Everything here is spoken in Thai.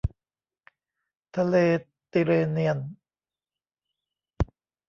ทะเลติร์เรเนียน